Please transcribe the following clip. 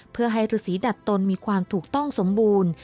เพื่อให้ฤษีดัดตนมีความถูกต้องสมบูรณ์